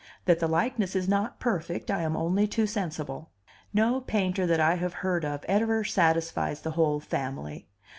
That the likeness is not perfect, I am only too sensible. No painter that I have heard of ever satisfies the whole family.